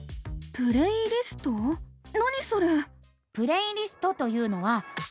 何それ？